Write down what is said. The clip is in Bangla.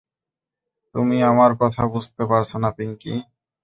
তুমি আমার কথা বুঝতে পারছ না, পিঙ্কি।